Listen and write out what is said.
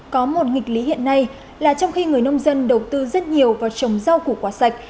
có một nghịch lý hiện nay là trong khi người nông dân đầu tư rất nhiều vào trồng rau củ quả sạch